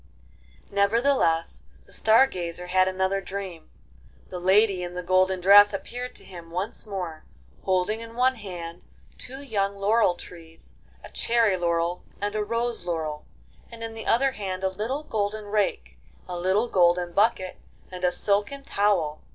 V Nevertheless, the Star Gazer had another dream. The lady in the golden dress appeared to him once more, holding in one hand two young laurel trees, a cherry laurel and a rose laurel, and in the other hand a little golden rake, a little golden bucket, and a silken towel.